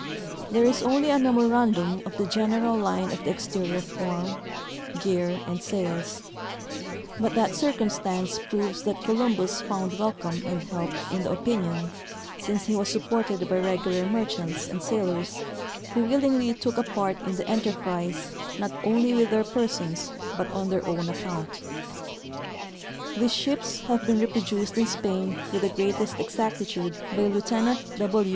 There is only a memorandum of the general line of the exterior form, gear and sails ; but that cir cumstance proves that Columbus found welcome and help in the opinion, since he was supported by regular merchants and sailors, who willingly took a part in the enterprise not only with their persons, but on their OAvn account. These ships have been reproduced in Spain Avith the greatest exactitude by Lieutenant W.